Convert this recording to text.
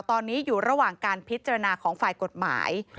ตอนนี้อยู่ระหว่างการพิจารณาของฝ่ายกฎหมาย